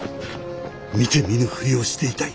見て見ぬふりをしていたい。